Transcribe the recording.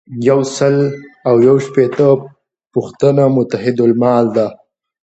یو سل او یو شپیتمه پوښتنه متحدالمال ده.